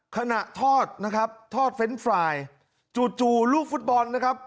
ขณะทอดนะครับทอดเฟรนด์ไฟล์จู่ลูกฟุตบอลนะครับ